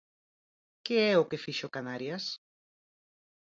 ¿Que é o que fixo Canarias?